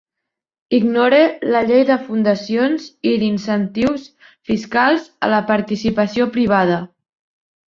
Ignore la llei de fundacions i d'incentius fiscals a la participació privada.